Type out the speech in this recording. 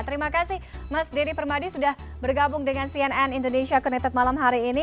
terima kasih mas deddy permadi sudah bergabung dengan cnn indonesia connected malam hari ini